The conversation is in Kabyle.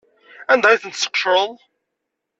Anda ay ten-tesqecreḍ?